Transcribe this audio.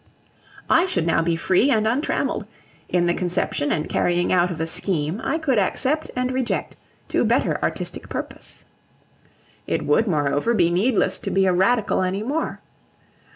I should now be free and untrammelled; in the conception and carrying out of a scheme, I could accept and reject to better artistic purpose. It would, moreover, be needless to be a Radical any more.